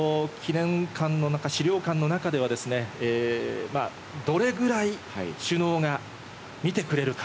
池上さん、この記念館の中、資料館の中では、どれぐらい首脳が見てくれるか。